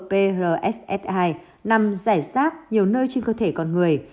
tmprss hai nằm rải rác nhiều nơi trên cơ thể con người